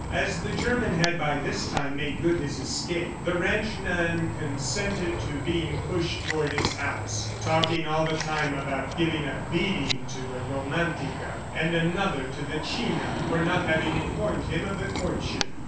As the German had, by this time, made good his escape, the ranchman consented to being pushed toward his house, talking all the time about giving a beating to the Romantica and another to the China for not having informed him of the courtship.